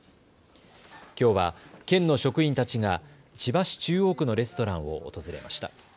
きょうは県の職員たちが千葉市中央区のレストランを訪れました。